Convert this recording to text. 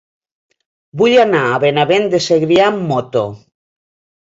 Vull anar a Benavent de Segrià amb moto.